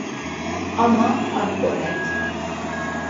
Ama ak voret.